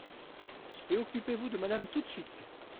Et occupez-vous de madame tout de suite.